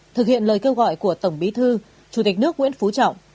thực hiện lời kêu gọi của tổng bí thư chủ tịch nước nguyễn phú trọng